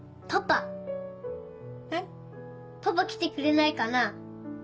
パパ来てくれないかな？